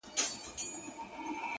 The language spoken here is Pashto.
ته زموږ زړونه را سپين غوندي کړه ـ